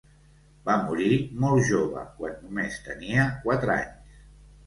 Va morir molt jove, quan només tenia quatre anys.